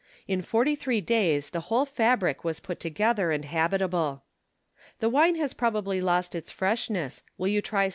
In forty three days the whole fabric was put together and habitable. The wine has probably lost its freshness : will you try some other ?